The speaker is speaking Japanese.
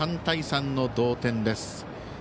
３対３の同点です。